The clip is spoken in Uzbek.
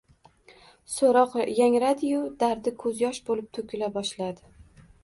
Soʻroq yangradiyu, dardi koʻz yosh boʻlib toʻkila boshladi